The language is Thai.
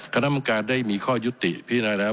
คณะกรรมการได้มีข้อยุติพิจารณาแล้ว